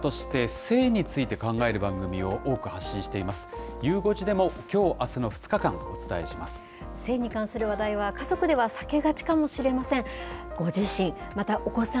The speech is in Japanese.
性に関する話題は、家族では避けがちかもしれません。